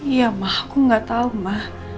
iya ma aku gak tau ma